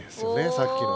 さっきの。